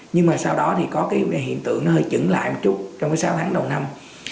nhưng mà sau đó thì có cái hiện tượng nó hơi chẩn lại một chút trong cái sáu tháng đầu năm